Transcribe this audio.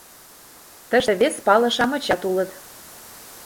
Тыште вес пале-шамычат улыт.